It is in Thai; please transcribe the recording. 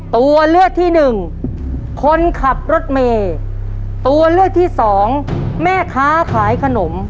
ตัวเลือกที่หนึ่งคนขับรถเมย์ตัวเลือกที่สองแม่ค้าขายขนม